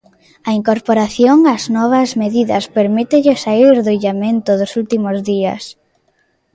A incorporación ás novas medidas permítelle saír do illamento dos últimos días.